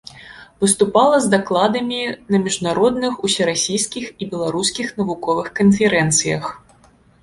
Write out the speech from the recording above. Выступала з дакладамі на міжнародных, усерасійскіх і беларускіх навуковых канферэнцыях.